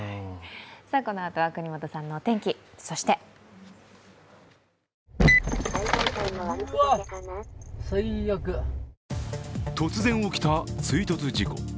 このあとは國本さんのお天気そして突然起きた、追突事故。